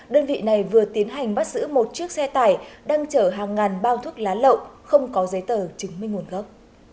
đơn vị này vừa tiến hành bắt giữ một chiếc xe tải đang chở hàng ngàn bao thuốc lá lậu không có giấy tờ chứng minh nguồn gốc